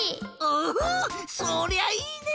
おおそりゃいいね！